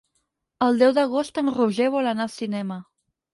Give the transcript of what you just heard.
El deu d'agost en Roger vol anar al cinema.